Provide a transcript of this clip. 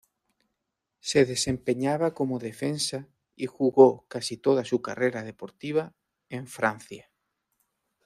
Se desempeñaba como defensa y jugó casi toda su carrera deportiva en Francia.